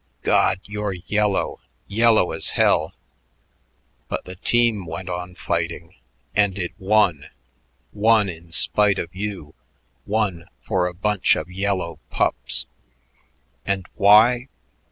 God! you're yellow, yellow as hell. But the team went on fighting and it won, won in spite of you, won for a bunch of yellow pups. And why?